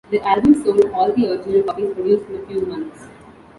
The album sold all the original copies produced in a few months.